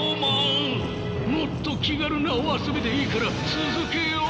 もっと気軽なお遊びでいいから続けよう！